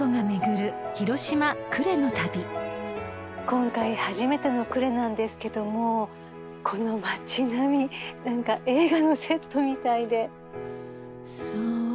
今回初めての呉なんですけどもこの町並み何か映画のセットみたいで。